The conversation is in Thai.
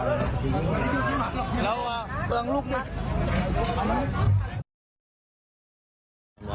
เอามาเติม